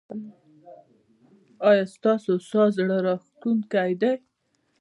ایا ستاسو ساز زړه راښکونکی دی؟